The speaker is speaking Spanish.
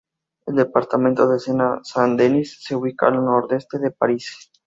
El departamento de Sena-San Denis se ubica al nordeste de París.